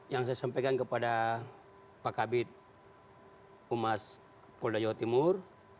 yang saya sampaikan kepada pak kabit humas polda jawa timur